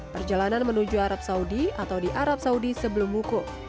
perjalanan menuju arab saudi atau di arab saudi sebelum wukuf